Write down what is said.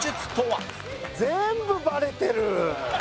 全部バレてる！